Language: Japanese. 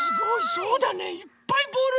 そうだねいっぱいボール。